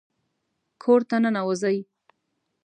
کور ته ننوځئ